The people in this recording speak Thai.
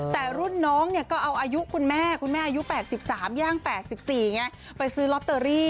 แต่รุ่นน้องเนี่ยก็เอาอายุคุณแม่คุณแม่อายุ๘๓ย่าง๘๔ไงไปซื้อลอตเตอรี่